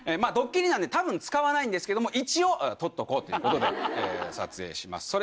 どっきりなんで多分使わないんですけども一応撮っとこうということで撮影します。